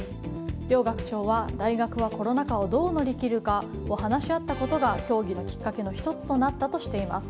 両学長は大学はコロナ禍をどう乗り切るかを話し合ったことが協議のきっかけの１つとなったとしています。